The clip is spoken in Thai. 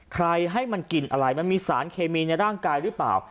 ให้มันกินอะไรมันมีสารเคมีในร่างกายหรือเปล่า